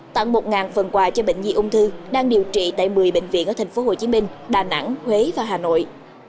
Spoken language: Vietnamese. tặng một phần quà cho bệnh nhi ung thư đang điều trị tại một mươi bệnh viện ở tp hcm đà nẵng huế và hà nội